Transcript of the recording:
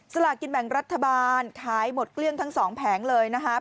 สลากินแบ่งรัฐบาลขายหมดเกลี้ยงทั้งสองแผงเลยนะครับ